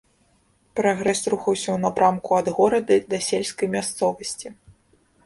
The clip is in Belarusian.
Прагрэс рухаўся ў напрамку ад горада да сельскай мясцовасці.